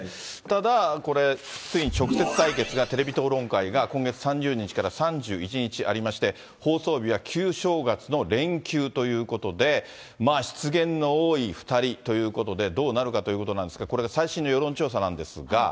ただこれ、直接対決が、テレビ討論会が、今月３０日から３１日ありまして、放送日は旧正月の連休ということで、失言の多い２人ということで、どうなるかということなんですが、これが最新の世論調査なんですが。